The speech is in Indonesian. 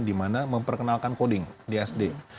dimana memperkenalkan coding di sd